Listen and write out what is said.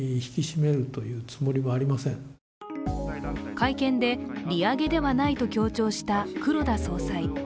会見で利上げではないと強調した黒田総裁。